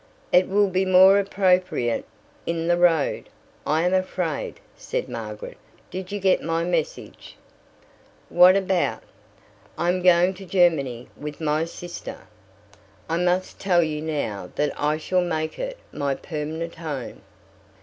"It will be more appropriate in the road, I am afraid," said Margaret. "Did you get my message?" "What about?" "I am going to Germany with my sister. I must tell you now that I shall make it my permanent home.